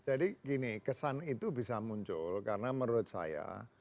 jadi gini kesan itu bisa muncul karena menurut saya